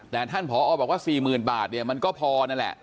แต่ท่านผอบอกว่า๔๐๐๐บาทเนี่ยมันก็พอนั่นแหละ